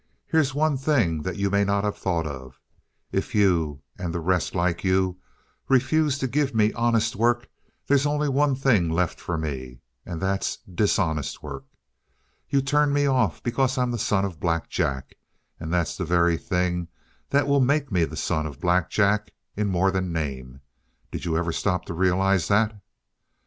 "Here's one thing that you may not have thought of. If you and the rest like you refuse to give me honest work, there's only one thing left for me and that's dishonest work. You turn me off because I'm the son of Black Jack; and that's the very thing that will make me the son of Black Jack in more than name. Did you ever stop to realize that?"